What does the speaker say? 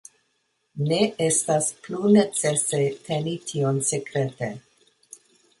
Ne estas plu necese teni tion sekrete.